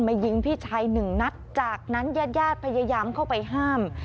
ยิงพี่ชายหนึ่งนัดจากนั้นญาติญาติพยายามเข้าไปห้าม